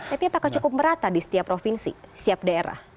tapi apakah cukup merata di setiap provinsi setiap daerah